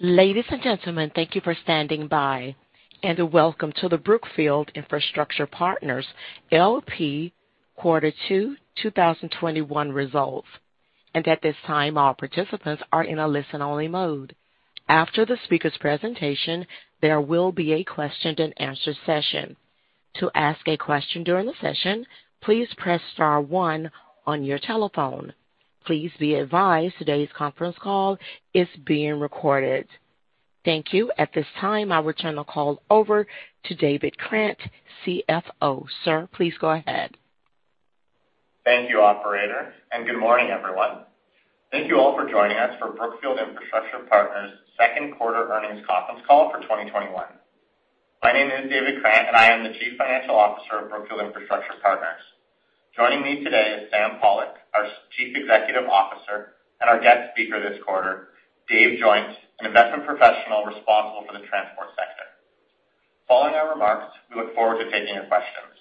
Ladies and gentlemen, thank you for standing by, and welcome to the Brookfield Infrastructure Partners LP Q2 2021 Results. At this time, all participants are in a listen-only mode. After the speaker's presentation, there will be a question and answer session. To ask a question during the session, please press star one on your telephone. Please be advised today's conference call is being recorded. Thank you. At this time, I will turn the call over to David Krant, CFO. Sir, please go ahead. Thank you, Operator. Good morning, everyone. Thank you all for joining us for Brookfield Infrastructure Partners' Second Quarter Earnings Conference Call for 2021. My name is David Krant, and I am the Chief Financial Officer of Brookfield Infrastructure Partners. Joining me today is Sam Pollock, our Chief Executive Officer, and our guest speaker this quarter, Dave Joynt, an investment professional responsible for the transport sector. Following our remarks, we look forward to taking your questions.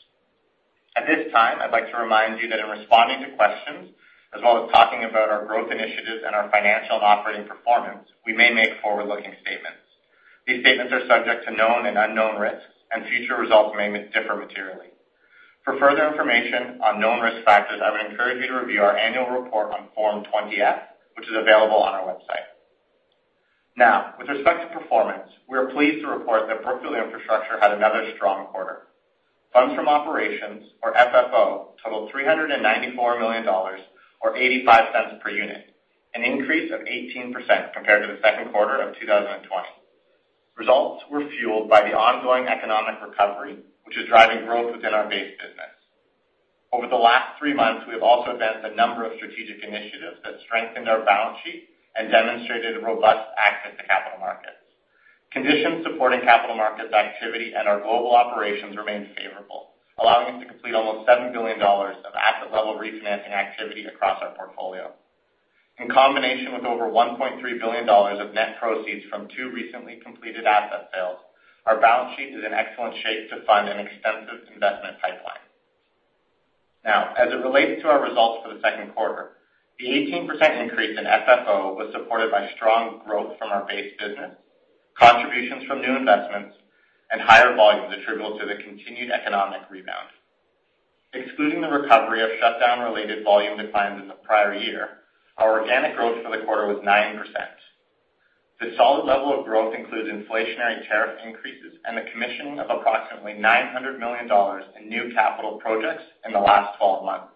At this time, I'd like to remind you that in responding to questions, as well as talking about our growth initiatives and our financial and operating performance, we may make forward-looking statements. These statements are subject to known and unknown risks, and future results may differ materially. For further information on known risk factors, I would encourage you to review our annual report on Form 20-F, which is available on our website. With respect to performance, we are pleased to report that Brookfield Infrastructure had another strong quarter. Funds from operations, or FFO, totaled $394 million, or $0.85 per unit, an increase of 18% compared to the second quarter of 2020. Results were fueled by the ongoing economic recovery, which is driving growth within our base business. Over the last three months, we have also advanced a number of strategic initiatives that strengthened our balance sheet and demonstrated robust access to capital markets. Conditions supporting capital markets activity at our global operations remained favorable, allowing us to complete almost $7 billion of asset-level refinancing activity across our portfolio. In combination with over $1.3 billion of net proceeds from two recently completed asset sales, our balance sheet is in excellent shape to fund an extensive investment pipeline. As it relates to our results for the second quarter, the 18% increase in FFO was supported by strong growth from our base business, contributions from new investments, and higher volumes attributable to the continued economic rebound. Excluding the recovery of shutdown-related volume declines in the prior year, our organic growth for the quarter was 9%. This solid level of growth includes inflationary tariff increases and the commissioning of approximately $900 million in new capital projects in the last 12 months.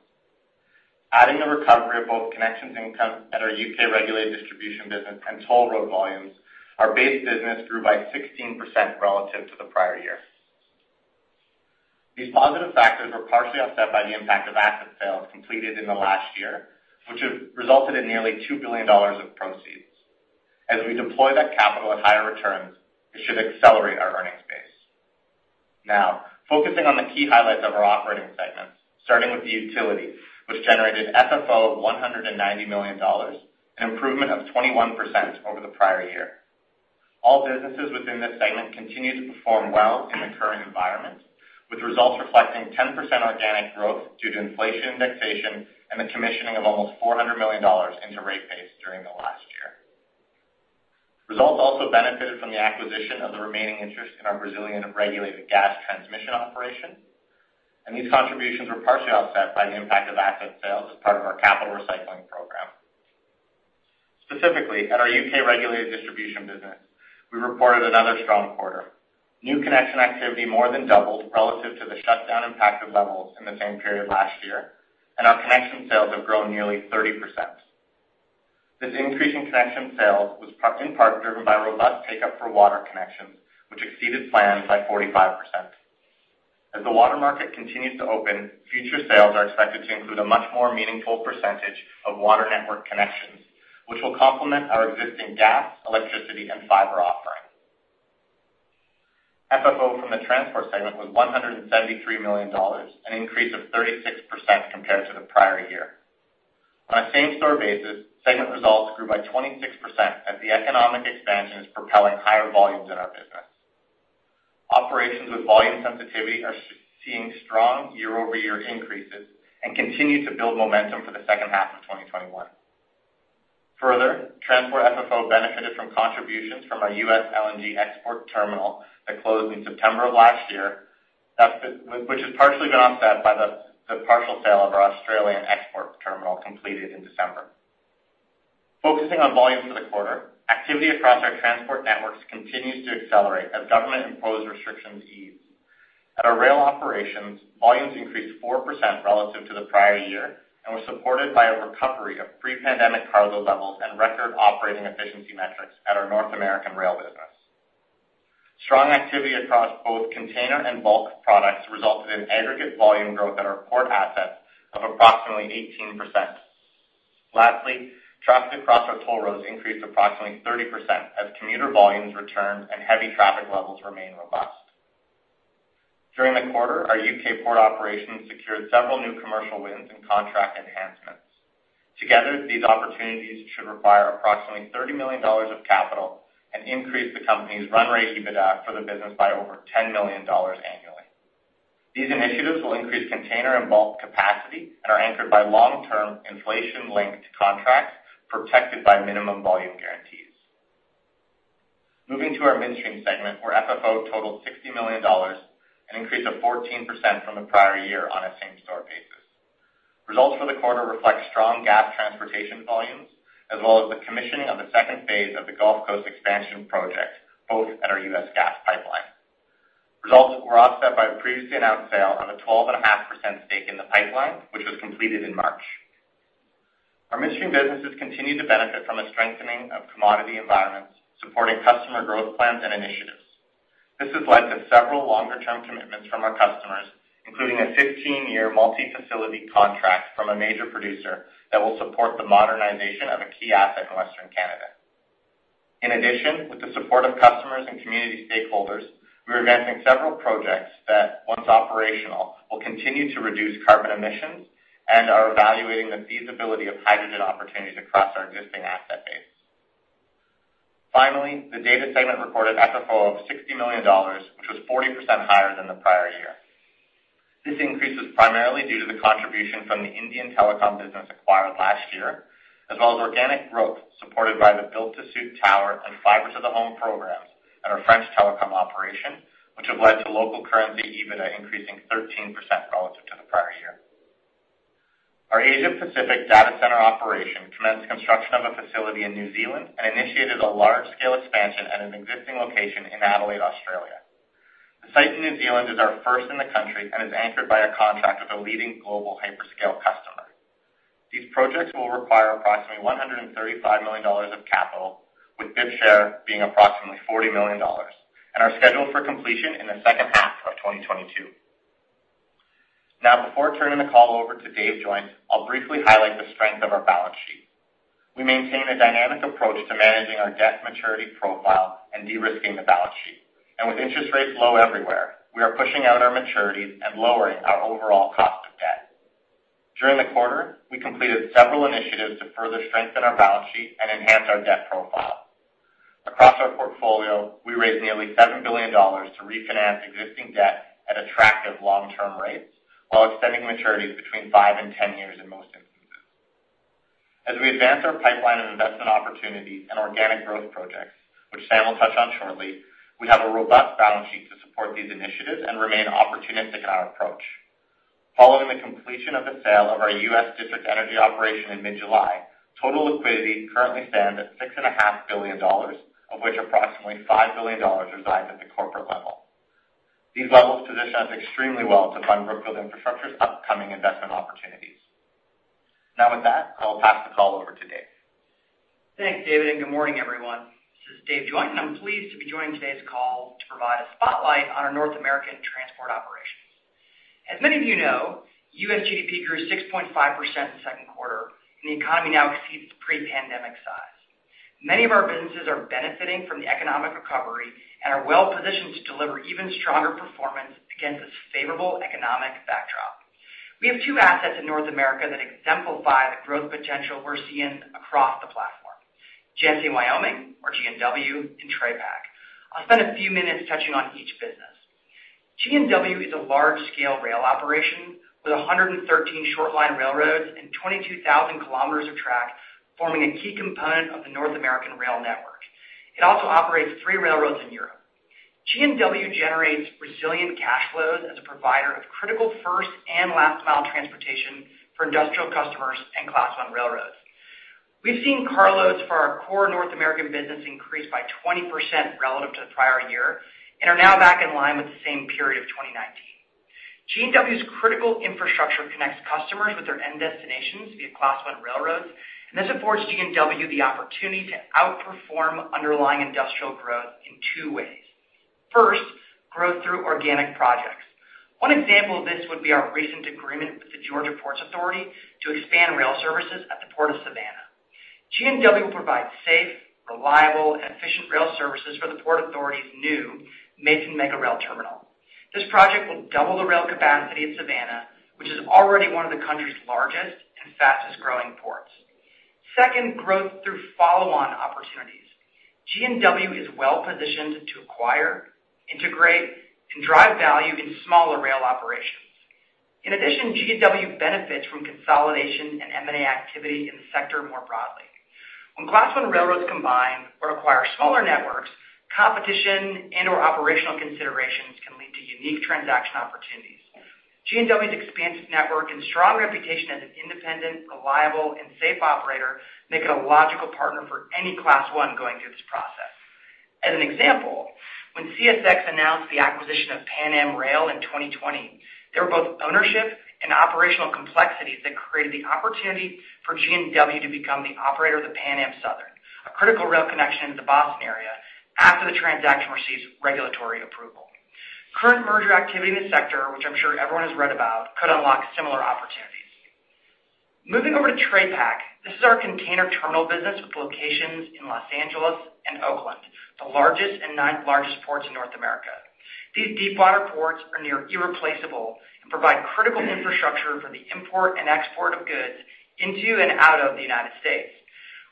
Adding the recovery of both connections income at our U.K. regulated distribution business and toll road volumes, our base business grew by 16% relative to the prior year. These positive factors were partially offset by the impact of asset sales completed in the last year, which have resulted in nearly $2 billion of proceeds. As we deploy that capital at higher returns, it should accelerate our earnings base. Focusing on the key highlights of our operating segments, starting with the Utilities, which generated FFO of $190 million, an improvement of 21% over the prior year. All businesses within this segment continue to perform well in the current environment, with results reflecting 10% organic growth due to inflation indexation and the commissioning of almost $400 million into rate base during the last year. Results also benefited from the acquisition of the remaining interest in our Brazilian regulated gas transmission operation, and these contributions were partially offset by the impact of asset sales as part of our capital recycling program. Specifically, at our U.K. regulated distribution business, we reported another strong quarter. New connection activity more than doubled relative to the shutdown-impacted levels in the same period last year, and our connection sales have grown nearly 30%. This increase in connection sales was in part driven by robust take-up for water connections, which exceeded plans by 45%. As the water market continues to open, future sales are expected to include a much more meaningful percentage of water network connections, which will complement our existing gas, electricity, and fiber offerings. FFO from the transport segment was $173 million, an increase of 36% compared to the prior year. On a same-store basis, segment results grew by 26% as the economic expansion is propelling higher volumes in our business. Operations with volume sensitivity are seeing strong year-over-year increases and continue to build momentum for the second half of 2021. Further, transport FFO benefited from contributions from our U.S. LNG export terminal that closed in September of last year, which has partially been offset by the partial sale of our Australian export terminal completed in December. Focusing on volume for the quarter, activity across our transport networks continues to accelerate as government-imposed restrictions ease. At our rail operations, volumes increased 4% relative to the prior year and were supported by a recovery of pre-pandemic cargo levels and record operating efficiency metrics at our North American rail business. Strong activity across both container and bulk products resulted in aggregate volume growth at our port assets of approximately 18%. Lastly, traffic across our toll roads increased approximately 30% as commuter volumes returned and heavy traffic levels remain robust. During the quarter, our U.K. port operations secured several new commercial wins and contract enhancements. Together, these opportunities should require approximately $30 million of capital and increase the company's run rate EBITDA for the business by over $10 million annually. These initiatives will increase container and bulk capacity and are anchored by long-term inflation-linked contracts protected by minimum volume guarantees. Moving to our midstream segment, where FFO totaled $60 million, an increase of 14% from the prior year on a same-store basis. Results for the quarter reflect strong gas transportation volumes as well as the commissioning of the second phase of the Gulf Coast expansion project, both at our U.S. gas pipeline. Results were offset by a previously announced sale of a 12.5% stake in the pipeline, which was completed in March. Our midstream businesses continue to benefit from a strengthening of commodity environments, supporting customer growth plans and initiatives. This has led to several longer-term commitments from our customers, including a 15-year multi-facility contract from a major producer that will support the modernization of a key asset in Western Canada. In addition, with the support of customers and community stakeholders, we are advancing several projects that, once operational, will continue to reduce carbon emissions and are evaluating the feasibility of hydrogen opportunities across our existing asset base. Finally, the data segment reported FFO of $60 million, which was 40% higher than the prior year. This increase was primarily due to the contribution from the Indian telecom business acquired last year, as well as organic growth supported by the build-to-suit tower and fiber to the home programs at our French telecom operation, which have led to local currency EBITDA increasing 13% relative to the prior year. Our Asia Pacific data center operation commenced construction of a facility in New Zealand and initiated a large-scale expansion at an existing location in Adelaide, Australia. The site in New Zealand is our first in the country and is anchored by a contract with a leading global hyperscale customer. These projects will require approximately $135 million of capital, with BIP share being approximately $40 million, and are scheduled for completion in the second half of 2022. Now, before turning the call over to Dave Joynt, I'll briefly highlight the strength of our balance sheet. We maintain a dynamic approach to managing our debt maturity profile and de-risking the balance sheet. With interest rates low everywhere, we are pushing out our maturities and lowering our overall cost of debt. During the quarter, we completed several initiatives to further strengthen our balance sheet and enhance our debt profile. Across our portfolio, we raised nearly $7 billion to refinance existing debt at attractive long-term rates while extending maturities between five and 10 years in most instances. As we advance our pipeline of investment opportunities and organic growth projects, which Sam will touch on shortly, we have a robust balance sheet to support these initiatives and remain opportunistic in our approach. Following the completion of the sale of our U.S. district energy operation in mid-July, total liquidity currently stands at $6.5 billion, of which approximately $5 billion resides at the corporate level. These levels position us extremely well to fund Brookfield Infrastructure's upcoming investment opportunities. Now with that, I will pass the call over to Dave. Thanks, David. Good morning, everyone. This is Dave Joynt. I'm pleased to be joining today's call to provide a spotlight on our North American transport operations. As many of you know, U.S. GDP grew 6.5% in the second quarter. The economy now exceeds its pre-pandemic size. Many of our businesses are benefiting from the economic recovery and are well-positioned to deliver even stronger performance against this favorable economic backdrop. We have two assets in North America that exemplify the growth potential we're seeing across the platform, Genesee & Wyoming, or G&W, and TraPac. I'll spend a few minutes touching on each business. G&W is a large-scale rail operation with 113 short-line railroads and 22,000 kilometers of track forming a key component of the North American rail network. It also operates three railroads in Europe. G&W generates resilient cash flows as a provider of critical first and last-mile transportation for industrial customers and Class I railroads. We've seen carloads for our core North American business increase by 20% relative to the prior year and are now back in line with the same period of 2019. G&W's critical infrastructure connects customers with their end destinations via Class I railroads, and this affords G&W the opportunity to outperform underlying industrial growth in two ways. First, growth through organic projects. One example of this would be our recent agreement with the Georgia Ports Authority to expand rail services at the Port of Savannah. G&W will provide safe, reliable, and efficient rail services for the Port Authority's new Mason Mega Rail Terminal. This project will double the rail capacity at Savannah, which is already one of the country's largest and fastest-growing ports. Second, growth through follow-on opportunities. G&W is well-positioned to acquire, integrate, and drive value in smaller rail operations. In addition, G&W benefits from consolidation and M&A activity in the sector more broadly. When Class I railroads combine or acquire smaller networks, competition and/or operational considerations can lead to unique transaction opportunities. G&W's expansive network and strong reputation as an independent, reliable, and safe operator make it a logical partner for any Class I going through this process. As an example, when CSX announced the acquisition of Pan Am Rail in 2020, there were both ownership and operational complexities that created the opportunity for G&W to become the operator of the Pan Am Southern, a critical rail connection into the Boston area after the transaction receives regulatory approval. Current merger activity in the sector, which I'm sure everyone has read about, could unlock similar opportunities. Moving over to TraPac, this is our container terminal business with locations in Los Angeles and Oakland, the largest and ninth-largest ports in North America. These deepwater ports are near irreplaceable and provide critical infrastructure for the import and export of goods into and out of the United States.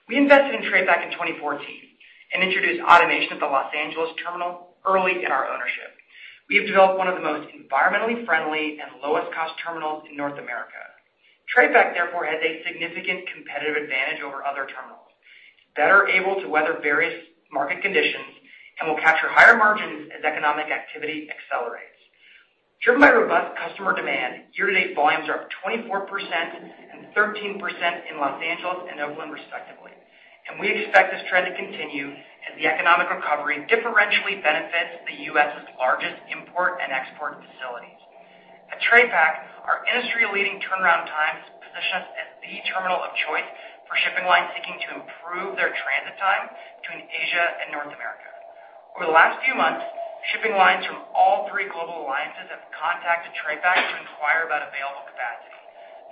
We invested in TraPac in 2014 and introduced automation at the Los Angeles terminal early in our ownership. We have developed one of the most environmentally friendly and lowest cost terminals in North America. TraPac, therefore, has a significant competitive advantage over other terminals. It's better able to weather various market conditions and will capture higher margins as economic activity accelerates. Driven by robust customer demand, year-to-date volumes are up 24% and 13% in Los Angeles and Oakland, respectively. We expect this trend to continue as the economic recovery differentially benefits the U.S.'s largest import and export facilities. At TraPac, our industry-leading turnaround times position us as the terminal of choice for shipping lines seeking to improve their transit time between Asia and North America. Over the last few months, shipping lines from all three global alliances have contacted TraPac to inquire about available capacity,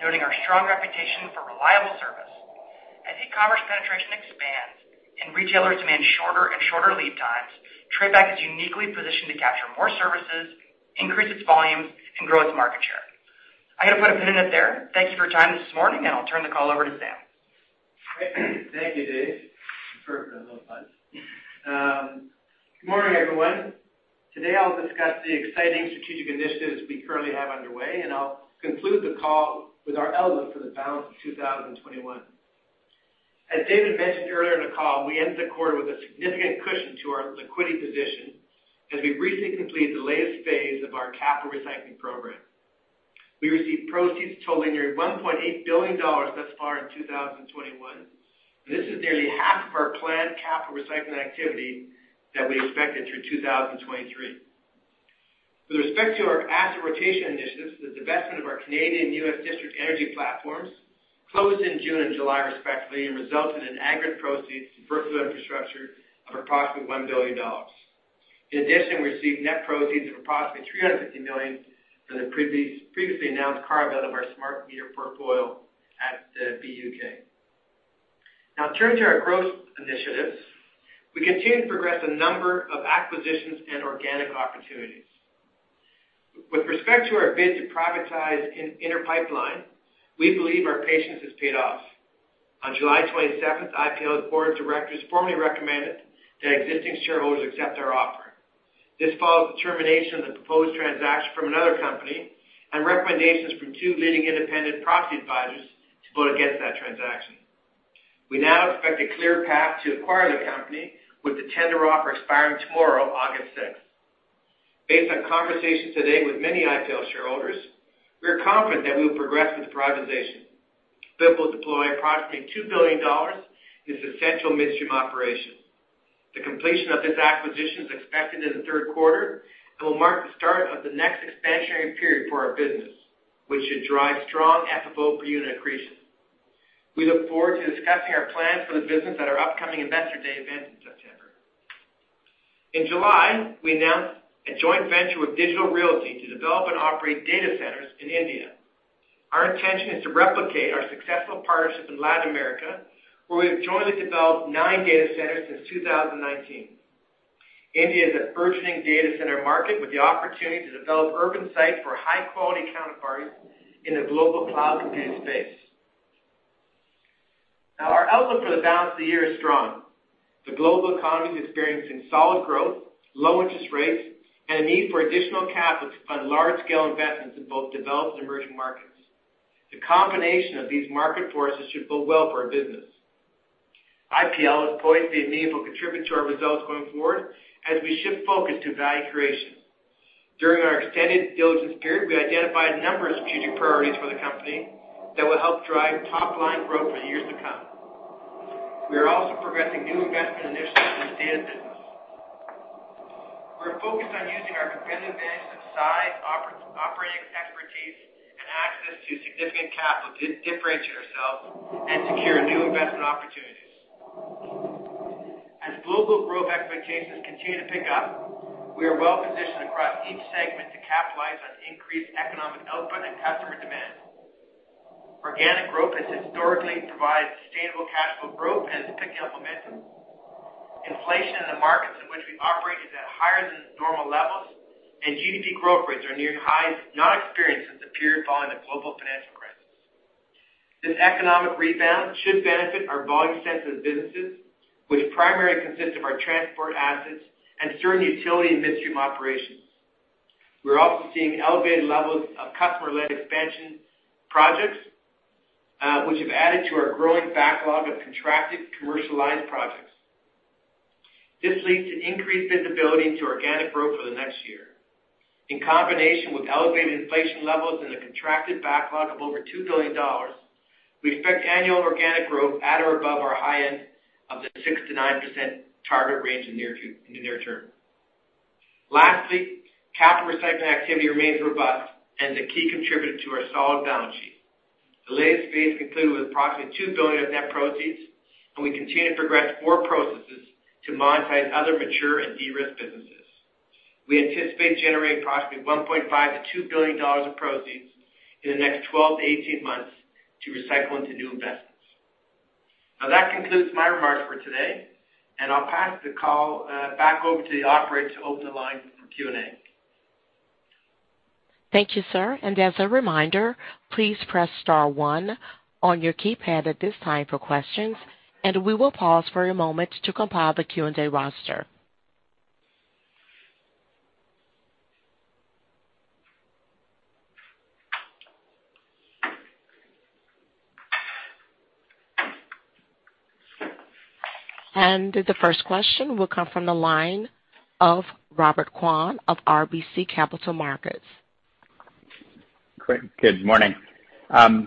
noting our strong reputation for reliable service. As e-commerce penetration expands and retailers demand shorter and shorter lead times, TraPac is uniquely positioned to capture more services, increase its volumes, and grow its market share. I'm going to put a pin in it there. Thank you for your time this morning, and I'll turn the call over to Sam. Thank you, Dave. Perfect. A little punch. Good morning, everyone. Today, I'll discuss the exciting strategic initiatives we currently have underway, and I'll conclude the call with our outlook for the balance of 2021. As David mentioned earlier in the call, we ended the quarter with a significant cushion to our liquidity position as we recently completed the latest phase of our capital recycling program. We received proceeds totaling nearly $1.8 billion thus far in 2021. This is nearly half of our planned capital recycling activity that we expected through 2023. With respect to our asset rotation initiatives, the divestment of our Canadian and U.S. district energy platforms closed in June and July respectively, and resulted in aggregate proceeds to Brookfield Infrastructure of approximately $1 billion. In addition, we received net proceeds of approximately $350 million for the previously announced carve-out of our smart meter portfolio at BUUK. Now turning to our growth initiatives. We continue to progress a number of acquisitions and organic opportunities. With respect to our bid to privatize Inter Pipeline, we believe our patience has paid off. On July 27th, IPL's board of directors formally recommended that existing shareholders accept our offer. This follows the termination of the proposed transaction from another company and recommendations from two leading independent proxy advisors to vote against that transaction. We now expect a clear path to acquire the company with the tender offer expiring tomorrow, August 6th. Based on conversations today with many IPL shareholders, we are confident that we will progress with privatization. BIP will deploy approximately $2 billion in this essential midstream operation. The completion of this acquisition is expected in the third quarter and will mark the start of the next expansionary period for our business, which should drive strong FFO per unit accretion. We look forward to discussing our plans for the business at our upcoming Investor Day event in September. In July, we announced a joint venture with Digital Realty to develop and operate data centers in India. Our intention is to replicate our successful partnership in Latin America, where we have jointly developed nine data centers since 2019. India is a burgeoning data center market with the opportunity to develop urban sites for high-quality counterparties in a global cloud compute space. Our outlook for the balance of the year is strong. The global economy is experiencing solid growth, low interest rates, and a need for additional capital to fund large-scale investments in both developed and emerging markets. The combination of these market forces should bode well for our business. IPL is poised to be a meaningful contributor to our results going forward as we shift focus to value creation. During our extended diligence period, we identified a number of strategic priorities for the company that will help drive top-line growth for years to come. We are also progressing new investment initiatives in the data business. We are focused on using our competitive advantage of size, operating expertise, and access to significant capital to differentiate ourselves and secure new investment opportunities. As global growth expectations continue to pick up, we are well-positioned across each segment to capitalize on increased economic output and customer demand. Organic growth has historically provided sustainable cash flow growth and is picking up momentum. Inflation in the markets in which we operate is at higher than normal levels, GDP growth rates are nearing highs not experienced since the period following the global financial crisis. This economic rebound should benefit our volume-sensitive businesses, which primarily consist of our transport assets and certain utility and midstream operations. We're also seeing elevated levels of customer-led expansion projects, which have added to our growing backlog of contracted commercialized projects. This leads to increased visibility into organic growth over the next year. In combination with elevated inflation levels and a contracted backlog of over $2 billion, we expect annual organic growth at or above our high end of the 6%-9% target range in the near-term. Lastly, capital recycling activity remains robust and is a key contributor to our solid balance sheet. The latest phase concluded with approximately $2 billion of net proceeds, and we continue to progress four processes to monetize other mature and de-risked businesses. We anticipate generating approximately $1.5 billion-$2 billion of proceeds in the next 12-18 months to recycle into new investments. That concludes my remarks for today. I'll pass the call back over to the operator to open the line for Q&A. Thank you, sir. As a reminder, please press star one on your keypad at this time for questions, and we will pause for a moment to compile the Q&A roster. The first question will come from the line of Robert Kwan of RBC Capital Markets. Good morning. A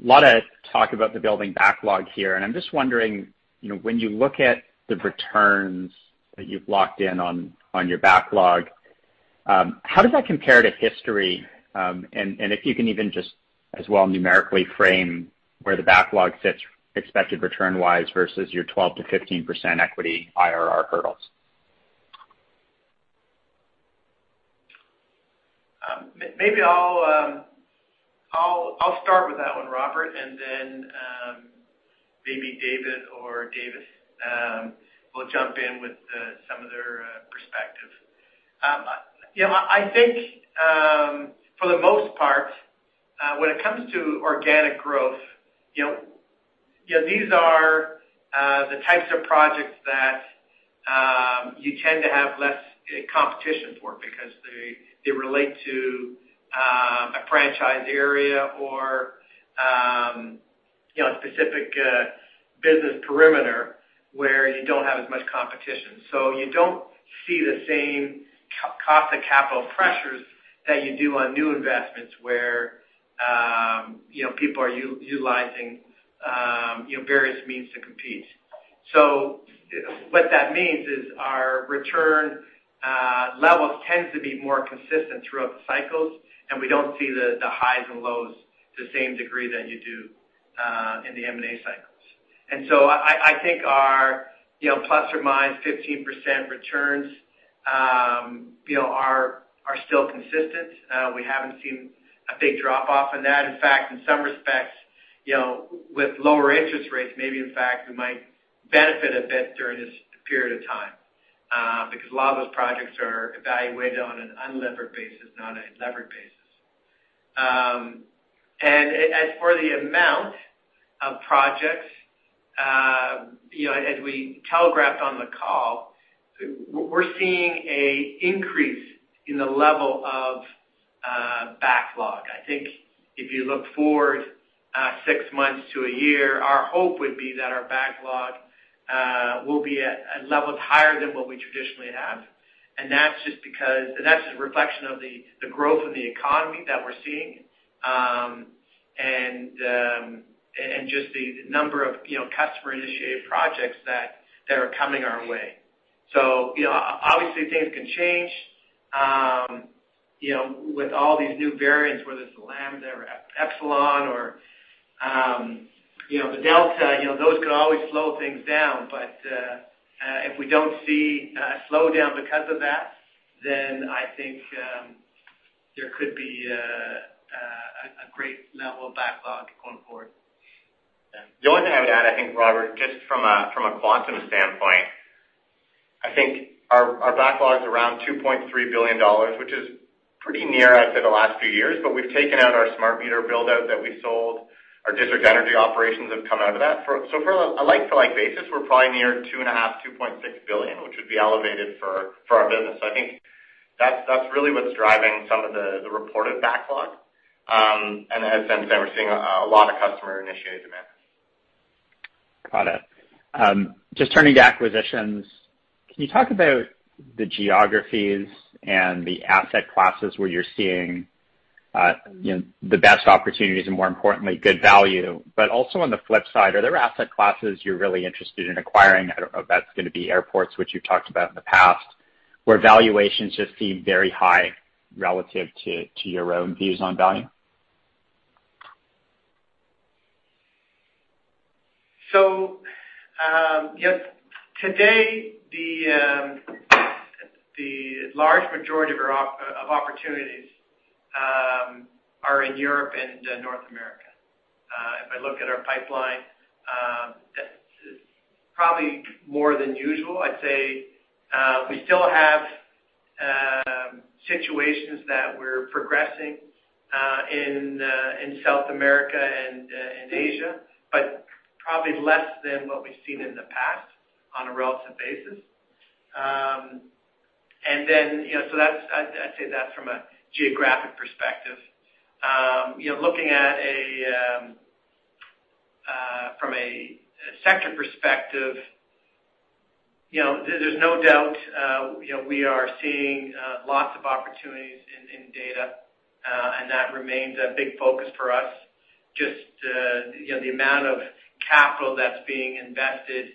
lot of talk about the building backlog here. I'm just wondering, when you look at the returns that you've locked in on your backlog, how does that compare to history? If you can even just as well numerically frame where the backlog sits expected return-wise versus your 12%-15% equity IRR hurdles. Maybe I'll start with that one, Robert, and then maybe David or Dave will jump in with some of their perspective. I think for the most part, when it comes to organic growth, these are the types of projects that you tend to have less competition for because they relate to a franchise area or a specific business perimeter where you don't have as much competition. You don't see the same cost of capital pressures that you do on new investments where people are utilizing various means to compete. What that means is our return levels tend to be more consistent throughout the cycles, and we don't see the highs and lows to the same degree that you do in the M&A cycles. I think our plus or minus 15% returns are still consistent. We haven't seen a big drop-off in that. In fact, in some respects, with lower interest rates, maybe in fact, we might benefit a bit during this period of time because a lot of those projects are evaluated on an unlevered basis, not a levered basis. As for the amount of projects, as we telegraphed on the call, we're seeing an increase in the level of backlog. I think if you look forward six months to a year, our hope would be that our backlog will be at levels higher than what we traditionally have. That's just a reflection of the growth of the economy that we're seeing and just the number of customer-initiated projects that are coming our way. Obviously things can change with all these new variants, whether it's the Lambda or Epsilon or the Delta. Those can always slow things down, but if we don't see a slowdown because of that, then I think there could be a great level of backlog going forward. The only thing I would add, I think, Robert, just from a quantum standpoint, I think our backlog's around $2.3 billion, which is pretty near, I'd say, the last few years, but we've taken out our smart meter build-out that we sold. Our district energy operations have come out of that. For a like-for-like basis, we're probably near $2.5 billion, $2.6 billion, which would be elevated for our business. I think that's really what's driving some of the reported backlog. As Sam said, we're seeing a lot of customer-initiated demand. Got it. Just turning to acquisitions, can you talk about the geographies and the asset classes where you're seeing the best opportunities and more importantly, good value? Also on the flip side, are there asset classes you're really interested in acquiring, I don't know if that's going to be airports, which you've talked about in the past, where valuations just seem very high relative to your own views on value? Today, the large majority of opportunities are in Europe and North America. If I look at our pipeline, that is probably more than usual. I'd say we still have situations that we're progressing in South America and Asia, but probably less than what we've seen in the past on a relative basis. Then, I'd say that's from a geographic perspective. Looking at from a sector perspective, there's no doubt we are seeing lots of opportunities in data, and that remains a big focus for us. Just the amount of capital that's being invested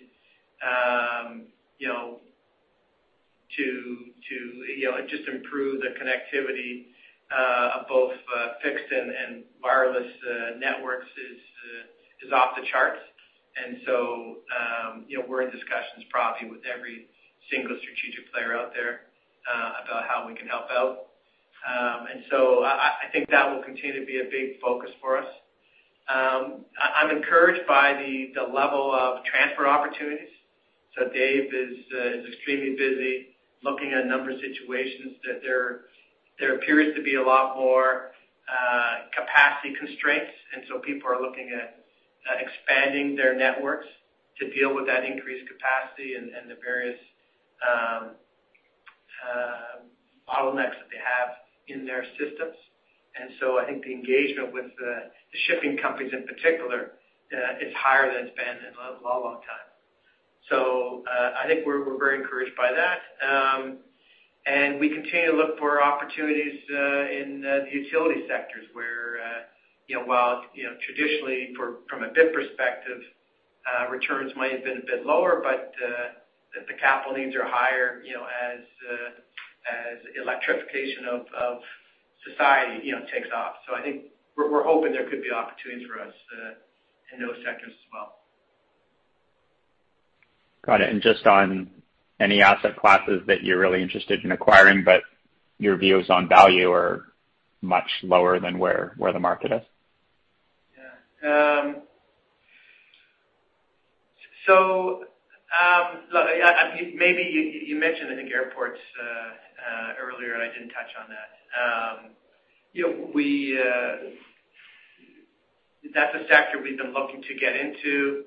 to just improve the connectivity of both fixed and wireless networks is off the charts. We're in discussions probably with every single strategic player out there about how we can help out. I think that will continue to be a big focus for us. I'm encouraged by the level of transfer opportunities. Dave is extremely busy looking at a number of situations that there appears to be a lot more capacity constraints, people are looking at expanding their networks to deal with that increased capacity and the various bottlenecks that they have in their systems. I think the engagement with the shipping companies, in particular, is higher than it's been in a long time. I think we're very encouraged by that. We continue to look for opportunities in the utility sectors where, while traditionally from a BIP perspective, returns might have been a bit lower, but the capital needs are higher as electrification of society takes off. I think we're hoping there could be opportunities for us in those sectors as well. Got it. Just on any asset classes that you're really interested in acquiring, but your views on value are much lower than where the market is? Yeah. You mentioned, I think, airports earlier, and I didn't touch on that. That's a sector we've been looking to get into.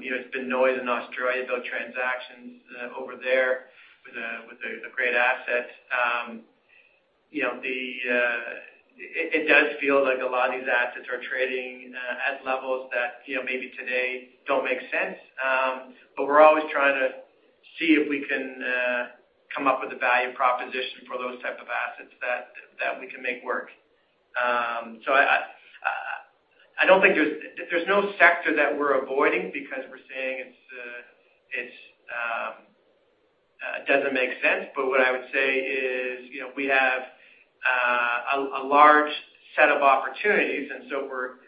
There's been noise in Australia about transactions over there with the great assets. It does feel like a lot of these assets are trading at levels that maybe today don't make sense. We're always trying to see if we can come up with a value proposition for those type of assets that we can make work. There's no sector that we're avoiding because we're saying it doesn't make sense. What I would say is, we have a large set of opportunities, we're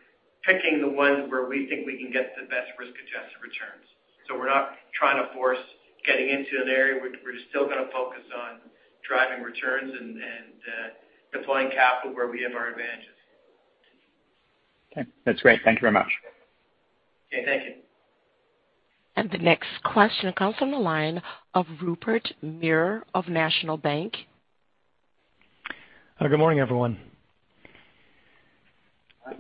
picking the ones where we think we can get the best risk-adjusted returns. We're not trying to force getting into an area. We're still going to focus on driving returns and deploying capital where we have our advantages. Okay, that's great. Thank you very much. Okay, thank you. The next question comes from the line of Rupert Merer of National Bank. Good morning, everyone.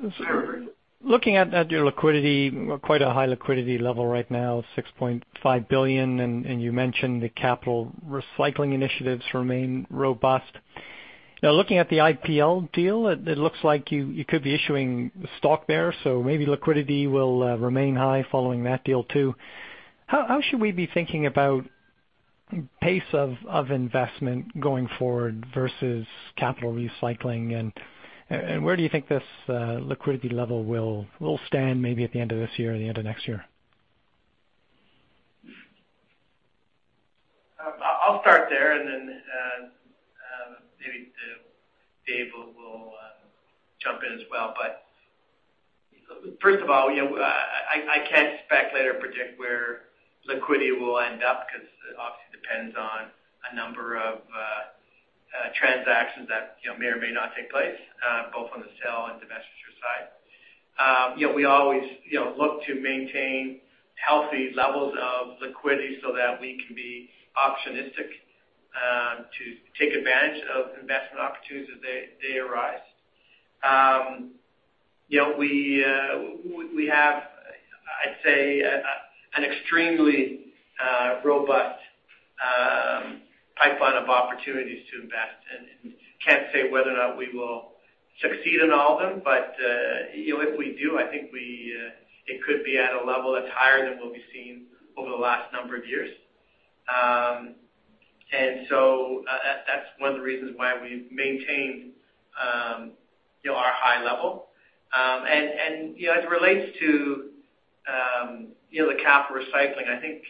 Good morning. Looking at your liquidity, quite a high liquidity level right now, $6.5 billion, and you mentioned the capital recycling initiatives remain robust. Looking at the IPL deal, it looks like you could be issuing stock there, so maybe liquidity will remain high following that deal too. How should we be thinking about pace of investment going forward versus capital recycling, and where do you think this liquidity level will stand maybe at the end of this year or the end of next year? I'll start there. Then maybe Dave will jump in as well. First of all, I can't speculate or predict where liquidity will end up because it obviously depends on a number of transactions that may or may not take place, both on the sell and divestiture side. We always look to maintain healthy levels of liquidity so that we can be opportunistic to take advantage of investment opportunities as they arise. We have, I'd say, an extremely robust pipeline of opportunities to invest in. Can't say whether or not we will succeed in all of them. If we do, I think it could be at a level that's higher than what we've seen over the last number of years. That's one of the reasons why we've maintained our high level. As it relates to the capital recycling, I think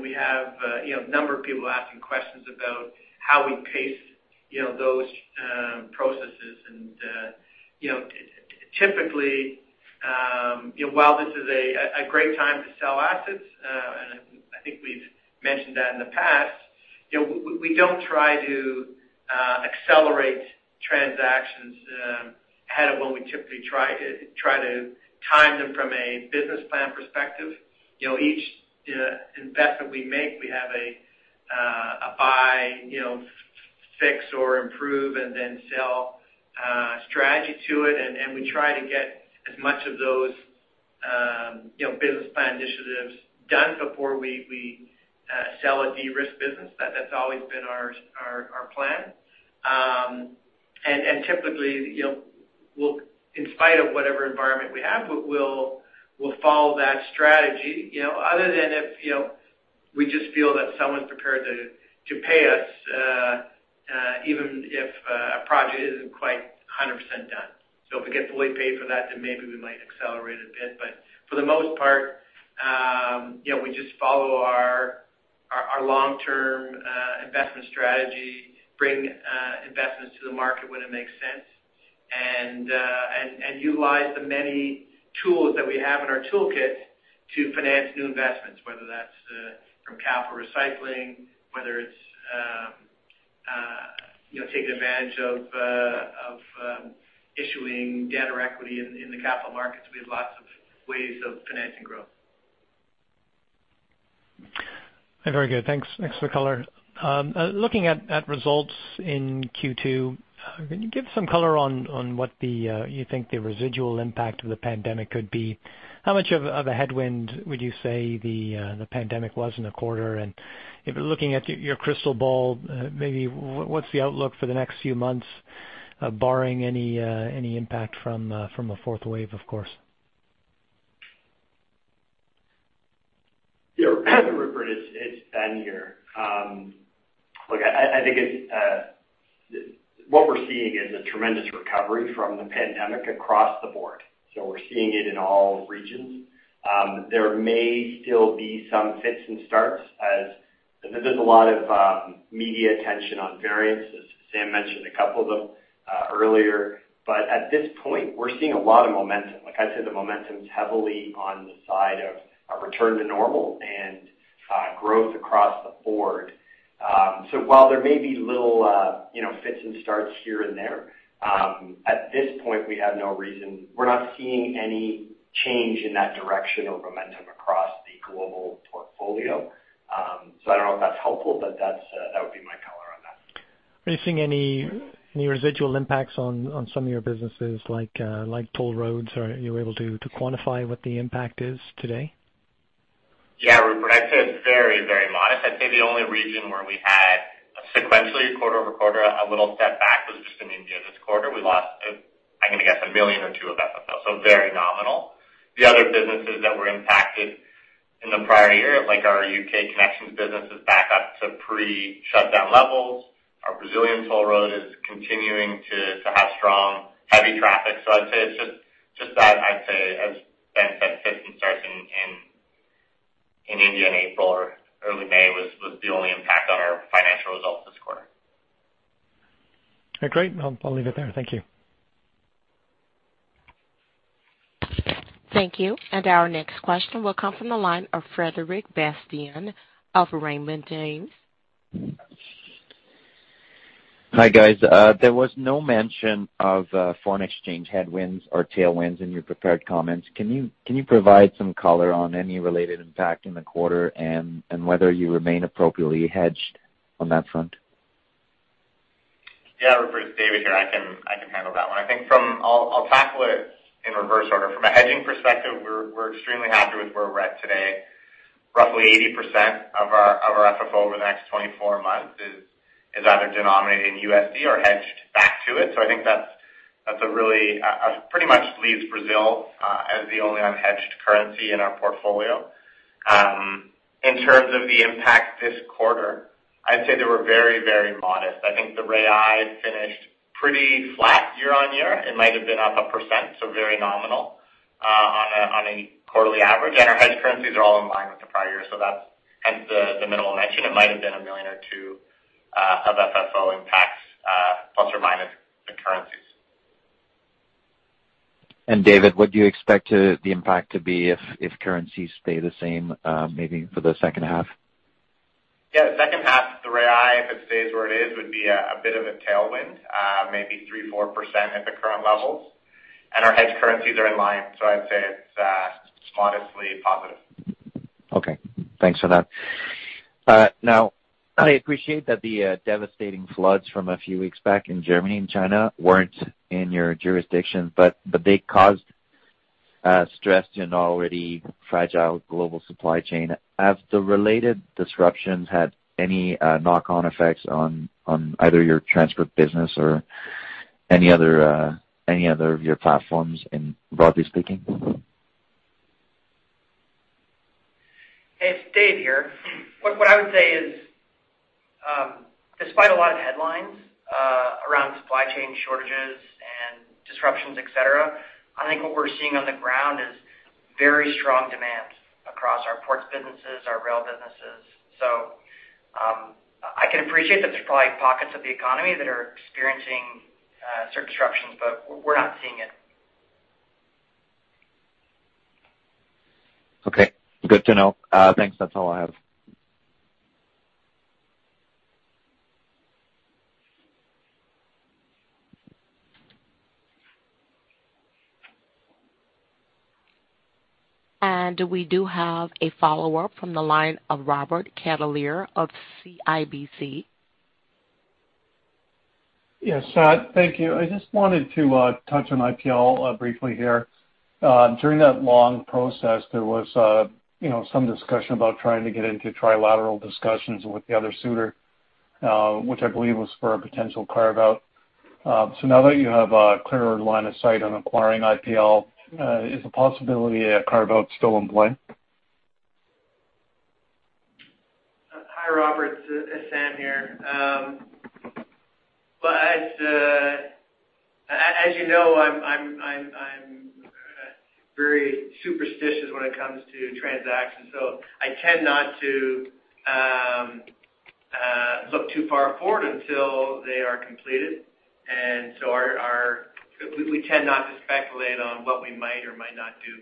we have a number of people asking questions about how we pace those processes. Typically, while this is a great time to sell assets, and I think we've mentioned that in the past, we don't try to accelerate transactions ahead of when we typically try to time them from a business plan perspective. Each investment we make, we have a buy, fix or improve, and then sell strategy to it, and we try to get as much of those business plan initiatives done before we sell a de-risk business. That's always been our plan. Typically, in spite of whatever environment we have, we'll follow that strategy, other than if we just feel that someone's prepared to pay us, even if a project isn't quite 100% done. If it gets fully paid for that, then maybe we might accelerate a bit. For the most part, we just follow our long-term investment strategy, bring investments to the market when it makes sense, and utilize the many tools that we have in our toolkit to finance new investments, whether that's from capital recycling, whether it's taking advantage of issuing debt or equity in the capital markets. We have lots of ways of financing growth. Very good. Thanks for the color. Looking at results in Q2, can you give some color on what you think the residual impact of the pandemic could be? How much of a headwind would you say the pandemic was in the quarter? If you're looking at your crystal ball, maybe what's the outlook for the next few months, barring any impact from a fourth wave, of course? Yeah. Rupert, it's David here. Look, I think what we're seeing is a tremendous recovery from the pandemic across the board. We're seeing it in all regions. There may still be some fits and starts as there's a lot of media attention on variants, as Sam mentioned a couple of them earlier. At this point, we're seeing a lot of momentum. Like I said, the momentum is heavily on the side of a return to normal and growth across the board. While there may be little fits and starts here and there, at this point, we have no reason. We're not seeing any change in that direction of momentum across the global portfolio. I don't know if that's helpful, but that would be my color on that. Are you seeing any residual impacts on some of your businesses, like toll roads? Are you able to quantify what the impact is today? Rupert. I'd say it's very, very modest. I'd say the only region where we had a sequentially, quarter-over-quarter, a little step back was just in India this quarter. We lost, I'm going to guess, $1 million or $2 million of FFO, so very nominal. The other businesses that were impacted in the prior year, like our U.K. connections business, is back up to pre-shutdown levels. Our Brazilian toll road is continuing to have strong, heavy traffic. I'd say it's just that. I'd say, as Ben said, fits and starts in India in April or early May was the only impact on our financial results this quarter. Great. I'll leave it there. Thank you. Thank you. Our next question will come from the line of Frederic Bastien of Raymond James. Hi, guys. There was no mention of foreign exchange headwinds or tailwinds in your prepared comments. Can you provide some color on any related impact in the quarter and whether you remain appropriately hedged on that front? Yeah, Rupert. It's David here. I can handle that one. I'll tackle it in reverse order. From a hedging perspective, we're extremely happy with where we're at today. Roughly 80% of our FFO over the next 24 months is either denominated in USD or hedged back to it. I think that pretty much leaves Brazil as the only unhedged currency in our portfolio. In terms of the impact this quarter, I'd say they were very, very modest. I think the Real finished pretty flat year-on-year. It might have been up 1%, so very nominal on a quarterly average. Our hedged currencies are all in line with the prior year. Hence the minimal mention. It might have been $1 million or $2 million of FFO impacts, ± the currencies. David, what do you expect the impact to be if currencies stay the same, maybe for the second half? Yeah. The second half, the Real, if it stays where it is, would be a bit of a tailwind, maybe 3%-4% at the current levels. Our hedged currencies are in line. I'd say it's modestly positive. Okay. Thanks for that. I appreciate that the devastating floods from a few weeks back in Germany and China weren't in your jurisdiction, but they caused stress in an already fragile global supply chain. Have the related disruptions had any knock-on effects on either your transport business or any other of your platforms, broadly speaking? It's Dave here. What I would say is, despite a lot of headlines around supply chain shortages and disruptions, et cetera, I think what we're seeing on the ground is very strong demand across our ports businesses, our rail businesses. I can appreciate that there's probably pockets of the economy that are experiencing certain disruptions, but we're not seeing it. Okay. Good to know. Thanks. That's all I have. We do have a follow-up from the line of Robert Catellier of CIBC. Yes. Thank you. I just wanted to touch on IPL briefly here. During that long process, there was some discussion about trying to get into trilateral discussions with the other suitor, which I believe was for a potential carve-out. Now that you have a clearer line of sight on acquiring IPL, is the possibility of carve-out still in play? Hi, Robert. This is Sam here. As you know, I'm very superstitious when it comes to transactions, so I tend not to look too far forward until they are completed, and so we tend not to speculate on what we might or might not do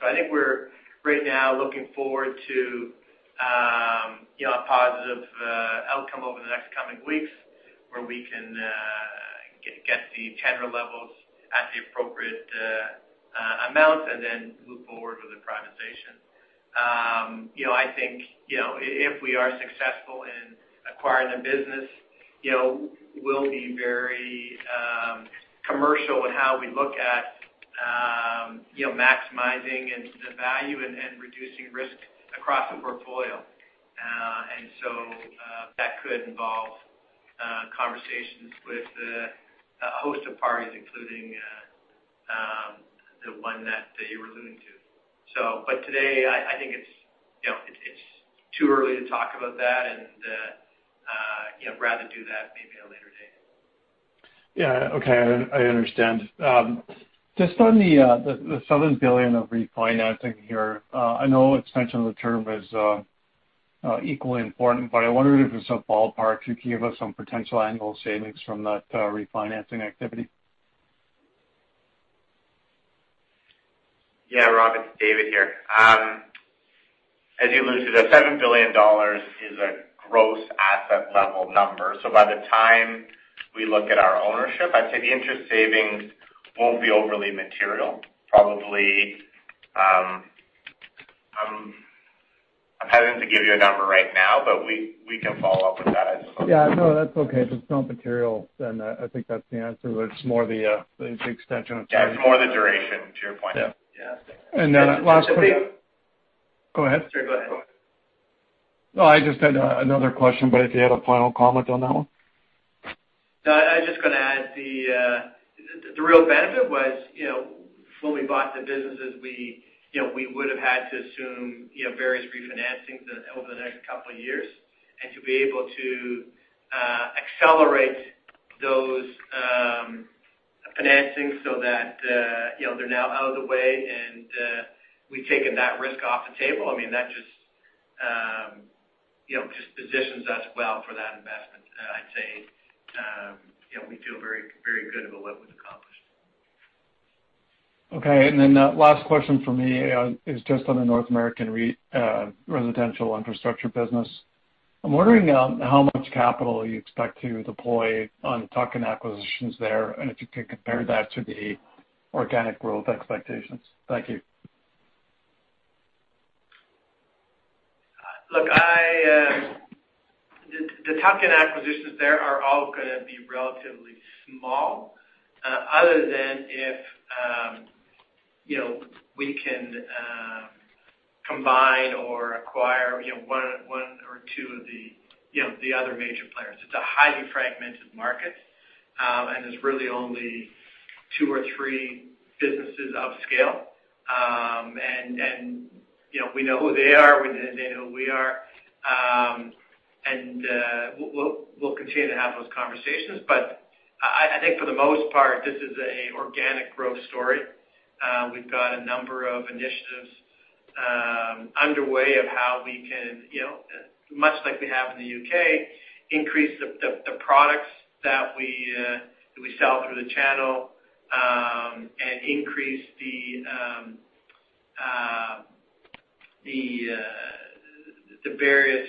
I think we're right now looking forward to a positive outcome over the next coming weeks where we can get the tender levels at the appropriate amount and then move forward with the privatization. I think, if we are successful in acquiring the business, we'll be very commercial in how we look at maximizing the value and reducing risk across the portfolio. That could involve conversations with a host of parties, including the one that you were alluding to. Today, I think it's too early to talk about that, and I'd rather do that maybe at a later date. Yeah. Okay. I understand. On the $7 billion of refinancing here. I know extension of the term is equally important, but I wondered if, as a ballpark, you could give us some potential annual savings from that refinancing activity. Yeah, Rob, it's David here. As you alluded to, $7 billion is a gross asset level number. By the time we look at our ownership, I'd say the interest savings won't be overly material. Probably, I'm hesitant to give you a number right now, but we can follow up with that. Yeah. No, that's okay. If it's not material, I think that's the answer. It's more the extension of term. Yeah. It's more the duration, to your point. Yeah. Yeah. Go ahead. Sorry, go ahead. No, I just had another question, but if you had a final comment on that one. No, I was just going to add, the real benefit was when we bought the businesses we would've had to assume various refinancings over the next couple of years. To be able to accelerate those financings so that they're now out of the way and we've taken that risk off the table. I mean, that just positions us well for that investment, I'd say. We feel very good about what was accomplished. Last question from me is just on the North American residential infrastructure business. I'm wondering how much capital you expect to deploy on tuck-in acquisitions there, if you could compare that to the organic growth expectations. Thank you. Look, the tuck-in acquisitions there are all going to be relatively small. Other than if we can combine or acquire one or two of the other major players. It's a highly fragmented market, and there's really only two or three businesses of scale. We know who they are, they know who we are. We'll continue to have those conversations. I think for the most part, this is an organic growth story. We've got a number of initiatives underway of how we can, much like we have in the U.K., increase the products that we sell through the channel, and increase the various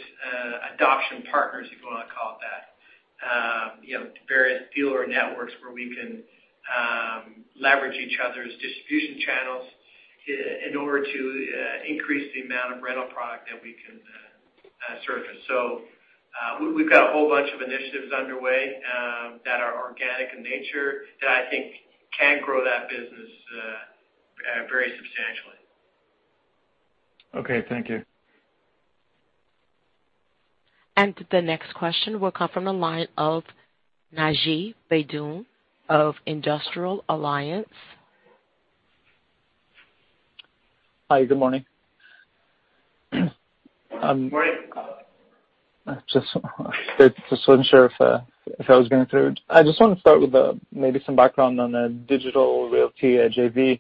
adoption partners, if you want to call it that. Various dealer networks where we can leverage each other's distribution channels in order to increase the amount of rental product that we can surface. We've got a whole bunch of initiatives underway that are organic in nature that I think can grow that business very substantially. Okay. Thank you. The next question will come from the line of Naji Baydoun of Industrial Alliance. Hi. Good morning. Morning. Just wasn't sure if I was going through. I just want to start with maybe some background on the Digital Realty JV.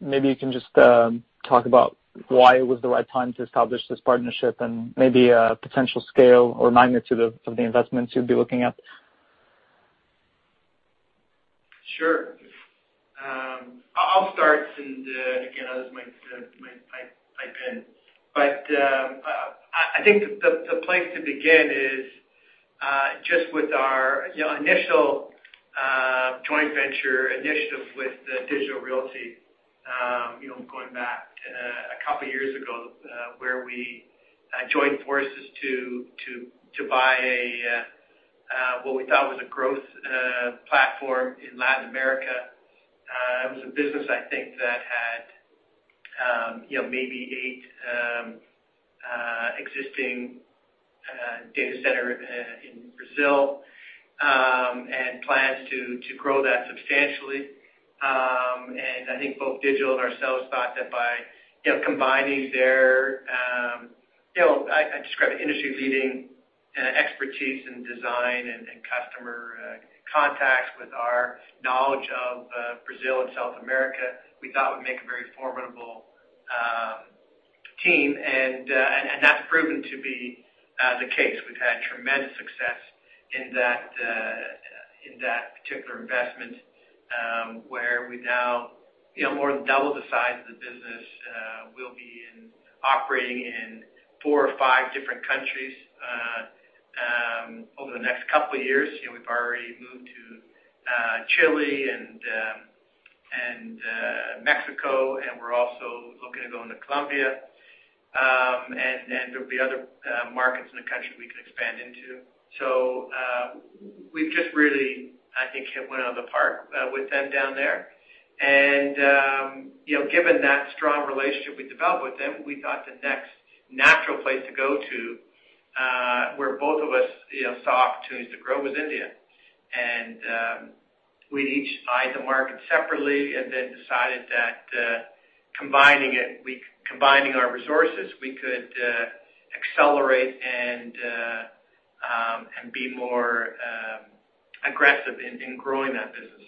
Maybe you can just talk about why it was the right time to establish this partnership and maybe potential scale or magnitude of the investments you'd be looking at? Sure. I'll start again, others might pipe in. I think the place to begin is just with our initial joint venture initiative with Digital Realty. Going back a couple of years ago, where we joined forces to buy what we thought was a growth platform in Latin America. It was a business, I think, that had maybe eight existing data center in Brazil, plans to grow that substantially. I think both Digital and ourselves thought that by combining their, I'd describe it, industry-leading expertise in design and customer contacts with our knowledge of Brazil and South America, we thought would make a very formidable team, that's proven to be the case. We've had tremendous success in that particular investment, where we now more than double the size of the business. We'll be operating in four or five different countries over the next couple of years. We've already moved to Chile and Mexico, we're also looking to go into Colombia. There'll be other markets in the country we could expand into. We've just really, I think, hit one out of the park with them down there. Given that strong relationship we developed with them, we thought the next natural place to go to, where both of us, saw opportunities to grow, was India. We each eyed the market separately and then decided that combining our resources, we could accelerate and be more aggressive in growing that business.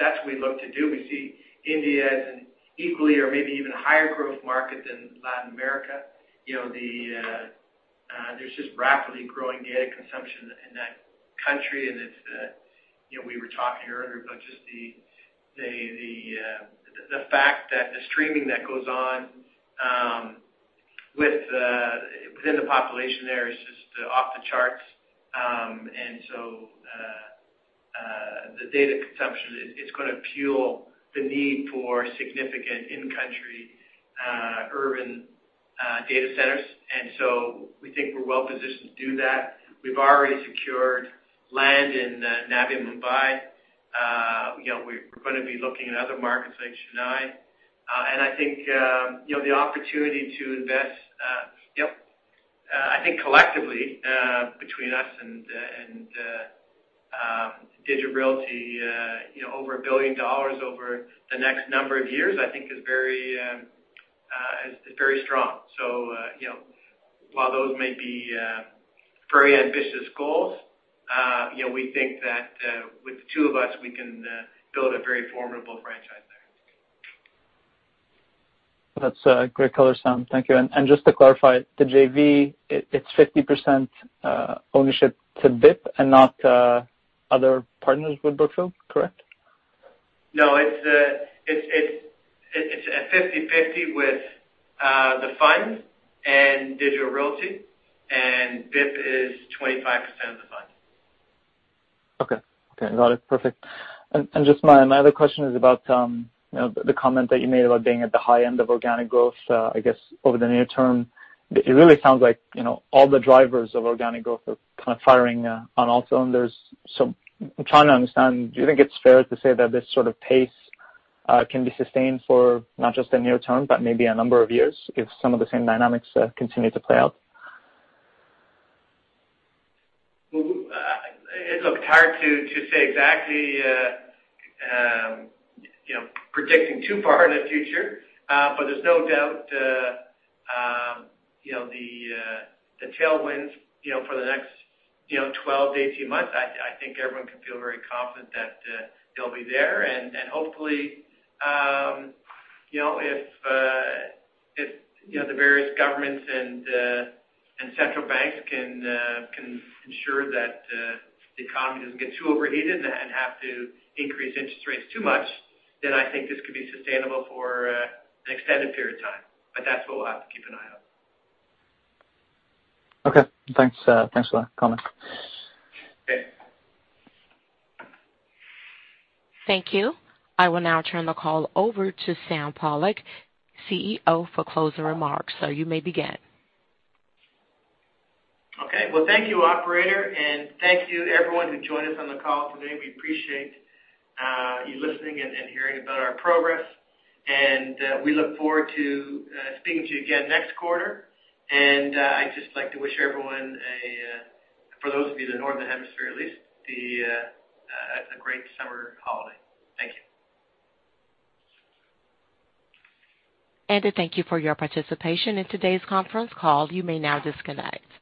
That's what we look to do. We see India as an equally or maybe even higher growth market than Latin America. There's just rapidly growing data consumption in that country. We were talking earlier about just the fact that the streaming that goes on within the population there is just off the charts. The data consumption, it's going to fuel the need for significant in-country urban data centers. We think we're well-positioned to do that. We've already secured land in Navi Mumbai. We're going to be looking at other markets like Chennai. I think the opportunity to invest, I think collectively between us and Digital Realty over $1 billion over the next number of years, I think is very strong. While those may be very ambitious goals, we think that with the two of us, we can build a very formidable franchise there. That's great color, Sam. Thank you. Just to clarify, the JV, it's 50% ownership to BIP and not other partners with Brookfield, correct? No, it is at 50/50 with the fund and Digital Realty, and BIP is 25% of the fund. Okay. Got it. Perfect. Just my other question is about the comment that you made about being at the high end of organic growth, I guess, over the near term. It really sounds like all the drivers of organic growth are kind of firing on all cylinders. I'm trying to understand, do you think it's fair to say that this sort of pace can be sustained for not just the near term, but maybe a number of years if some of the same dynamics continue to play out? Look, it's hard to say exactly, predicting too far in the future. There's no doubt the tailwinds for the next 12-18 months, I think everyone can feel very confident that they'll be there. Hopefully, if the various governments and central banks can ensure that the economy doesn't get too overheated and have to increase interest rates too much, then I think this could be sustainable for an extended period of time. That's what we'll have to keep an eye on. Okay. Thanks for that comment. Okay. Thank you. I will now turn the call over to Sam Pollock, CEO, for closing remarks. Sir, you may begin. Okay. Well, thank you, Operator, thank you everyone who joined us on the call today. We appreciate you listening and hearing about our progress. We look forward to speaking to you again next quarter. I'd just like to wish everyone a, for those of you in the Northern Hemisphere at least, a great summer holiday. Thank you. Thank you for your participation in today's conference call. You may now disconnect.